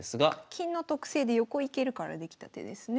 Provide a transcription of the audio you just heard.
金の特性で横行けるからできた手ですね。